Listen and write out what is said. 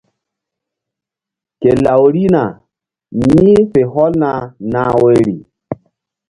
Ke law rihna ni̧h fe hɔlna nah woyri.